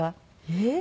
えっ？